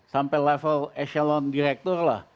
sampai level eselon direktur lah